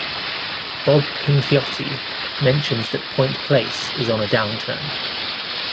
Bob Pinciotti mentions that Point Place is on a downturn.